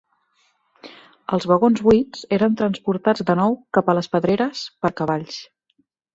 Els vagons buits eren transportats de nou cap a les pedreres per cavalls.